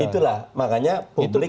itulah makanya publik ini